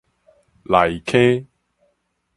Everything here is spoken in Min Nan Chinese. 內坑